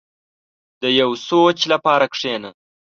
• د یو سوچ لپاره کښېنه.